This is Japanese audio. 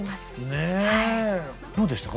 ねえどうでしたか？